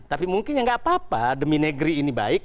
tapi mungkin tidak apa apa demi negeri ini baik